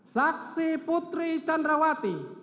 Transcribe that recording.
saksi putri candawati